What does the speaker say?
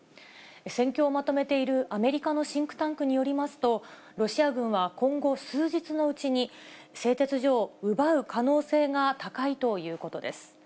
戦況をまとめているアメリカのシンクタンクによりますと、ロシア軍は今後数日のうちに、製鉄所を奪う可能性が高いということです。